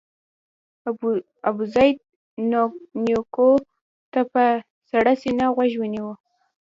ابوزید نیوکو ته په سړه سینه غوږ ونیو.